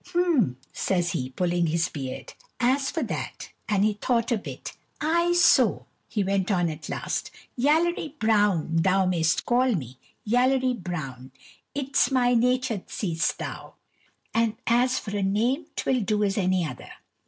"H'm," says he, pulling his beard; "as for that" and he thought a bit "ay so," he went on at last, "Yallery Brown thou mayst call me, Yallery Brown; 't is my nature seest thou, and as for a name 't will do as any other.